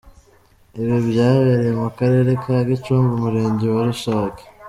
Ibi byabereye mu Karere ka Gicumbi, umurenge wa Rushaki.